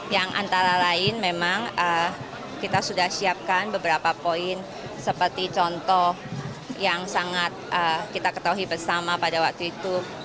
yang antara lain memang kita sudah siapkan beberapa poin seperti contoh yang sangat kita ketahui bersama pada waktu itu